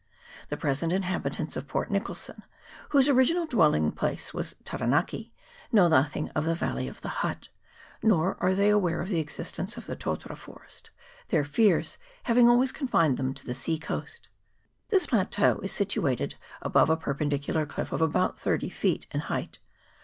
The present in habitants of Port Nicholson, whose original dwell ing place was Taranaki, know nothing of the valley of the Hutt, nor are they aware of the existence of the totara forest, their fears having always confined them to the sea coast. This plateau is situated above a perpendicular cliff of about thirty feet in height.